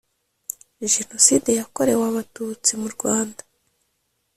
jenoside yakorewe abatutsi mu rwanda